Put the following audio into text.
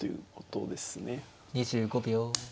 ２５秒。